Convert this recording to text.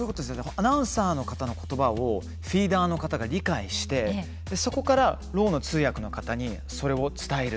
アナウンサーの方のことばをフィーダーの方が理解してそれをろう者の通訳の方に伝える。